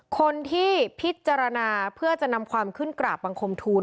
คนที่พิจารณาเพื่อจะนำความขึ้นกราบบังคมทูล